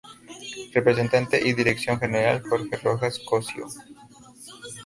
Representante y Dirección general, Jorge Rojas Cossio.